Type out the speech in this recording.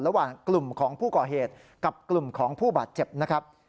ระหว่างกลุ่มของผู้ก่อเหตุกับกลุ่มของผู้บาดเจ็บนะครับ